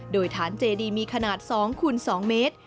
โดยฐานเจดีมีขนาด๒คูณ๒เมตร